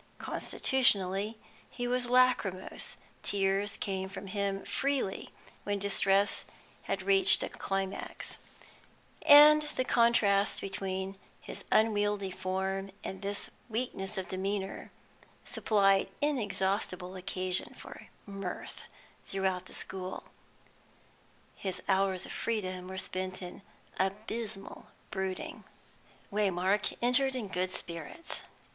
Constitutionally he was lachrymose; tears came from him freely when distress had reached a climax, and the contrast between his unwieldy form and this weakness of demeanour supplied inexhaustible occasion for mirth throughout the school. His hours of freedom were spent in abysmal brooding. Waymark entered in good spirits.